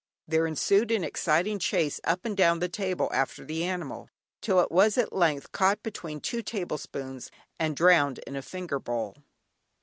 There ensued an exciting chase up and down the table after the animal, till it was at length caught between two table spoons and drowned in a finger bowl.